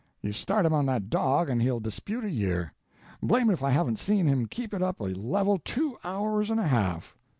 You start him on that dog and he'll dispute a year. Blamed if I haven't seen him keep it up a level two hours and a half."